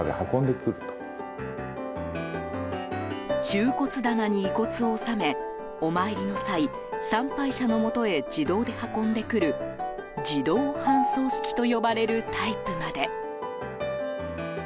収骨棚に遺骨を納めお参りの際参拝者のもとへ自動で運んでくる自動搬送式と呼ばれるタイプまで。